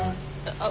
あっ。